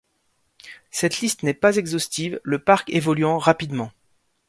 Cette liste n'est pas exhaustive, le parc évoluant rapidement.